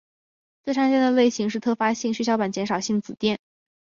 最常见的类型是特发性血小板减少性紫癜。